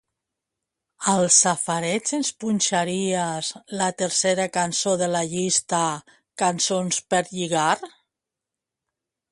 Al safareig ens punxaries la tercera cançó de la llista "cançons per lligar"?